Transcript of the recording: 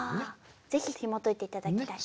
是非ひもといて頂きたい。